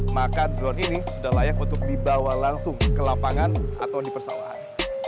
maka drone ini sudah layak untuk dibawa langsung ke lapangan atau di persawahan